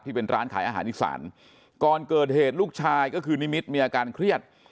เป็นร้านขายอาหารอีสานก่อนเกิดเหตุลูกชายก็คือนิมิตรมีอาการเครียด